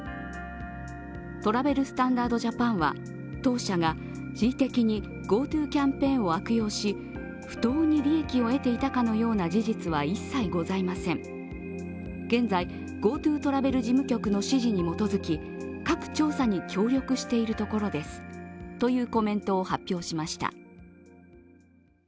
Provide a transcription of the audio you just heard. トラベル・スタンダード・ジャパンは、当社が恣意的にＧｏＴｏキャンペーンを悪用し不当に利益を得ていたかのような事実は一切ございません、現在、ＧｏＴｏトラベル事務局の指示に基づき各調査に協力しているところですというコメントを発表しました。